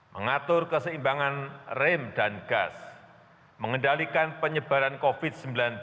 mengatur keseimbangan rem dan gas mengendalikan penyebaran covid sembilan belas